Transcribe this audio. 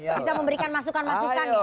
bisa memberikan masukan masukan ya